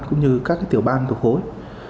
cũng như các tiểu ban thuộc hối